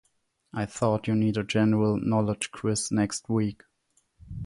I thought you need a general knowledge quiz next week.